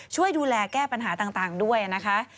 ช่วยดูแลแก้ปัญหาต่างด้วยนะคะ